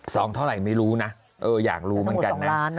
เท่าไหร่ไม่รู้นะเอออยากรู้เหมือนกันนะ